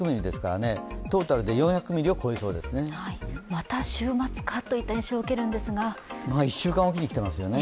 また週末かといった印象を受けるんですが１週間おきに来ていますよね。